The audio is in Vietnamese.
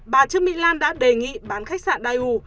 bà trương mỹ lan đã đề nghị bán khách sạn dai u